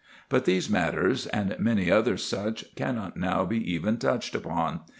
But these matters, and many other such, cannot now be even touched upon.